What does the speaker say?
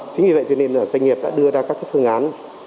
chính vì vậy cho nên là doanh nghiệp đã đưa ra các phương án